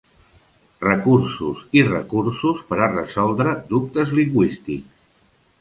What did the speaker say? Recursos i recursos per a resoldre dubtes lingüístics.